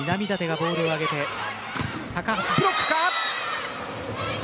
ブロックか。